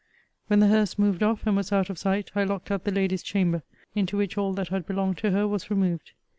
When the hearse moved off, and was out of sight, I locked up the lady's chamber, into which all that had belonged to her was removed.